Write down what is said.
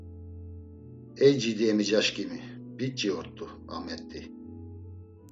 Ey cidi emicaşǩimi biç̌i ort̆u, Amet̆i.